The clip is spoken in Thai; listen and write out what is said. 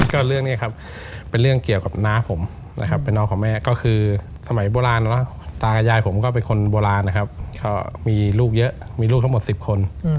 ก็เรื่องนี้ครับเป็นเรื่องเกี่ยวกับน้าผมนะครับเป็นน้องของแม่ก็คือสมัยโบราณตากับยายผมก็เป็นคนโบราณนะครับก็มีลูกเยอะมีลูกทั้งหมด๑๐คน